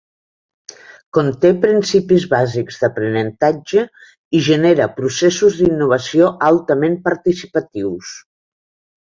Conté principis bàsics d'aprenentatge i genera processos d'innovació altament participatius.